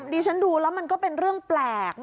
ดิฉันดูแล้วมันก็เป็นเรื่องแปลก